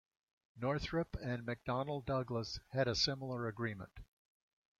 Northrop and McDonnell Douglas had a similar agreement.